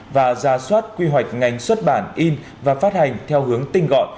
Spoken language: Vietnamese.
và ra soát quy hoạch ngành xuất bản in và phát hành theo hướng tinh gọn